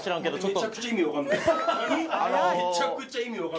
めちゃくちゃ意味わかんない。